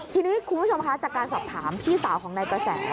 ทีนี้คุณผู้ชมคะจากการสอบถามพี่สาวของนายกระแส